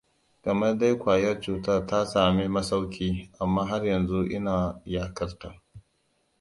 Kamar dai ƙwayar cutar ta sami masauki, amma har yanzu ina yaƙarta.